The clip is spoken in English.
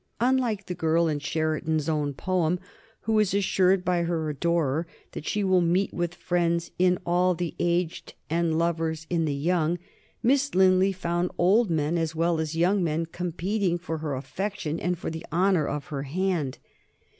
Unlike the girl in Sheridan's own poem, who is assured by her adorer that she will meet with friends in all the aged and lovers in the young. Miss Linley found old men as well as young men competing for her affection and for the honor of her hand.